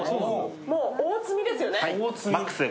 もう、大罪ですよね。